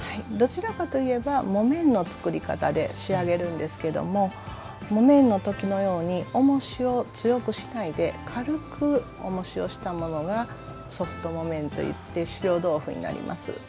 どちらかといえば木綿の作り方で仕上げるんですけども木綿の時のようにおもしを強くしないで軽くおもしをしたものがソフト木綿といって白とうふになります。